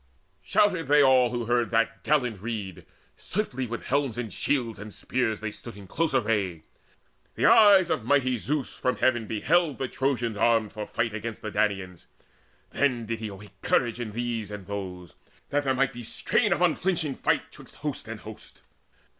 Shouted they all who heard that gallant rede. Swiftly with helms and shields and spears they stood In close array. The eyes of mighty Zeus From heaven beheld the Trojans armed for fight Against the Danaans: then did he awake Courage in these and those, that there might be Strain of unflinching fight 'twixt host and host.